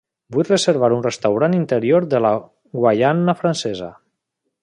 Vull reservar un restaurant interior de la Guaiana Francesa.